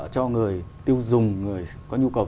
cho người tiêu dùng người có nhu cầu